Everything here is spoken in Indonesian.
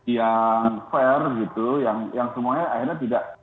yang fair gitu yang semuanya akhirnya tidak